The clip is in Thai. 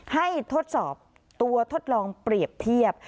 ทดสอบตัวทดลองเปรียบเทียบ